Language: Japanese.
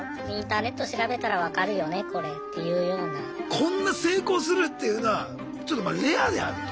こんな成功するっていうのはちょっとまあレアであると。